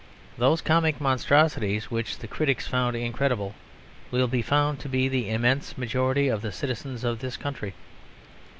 Those comic monstrosities which the critics found incredible will be found to be the immense majority of the citizens of this country.